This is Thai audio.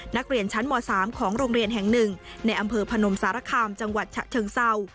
นักเรียนชั้นม๓ของโรงเรียนแห่งหนึ่งในอำเภอพนมสารคามจังหวัดฉะเชิงเศร้า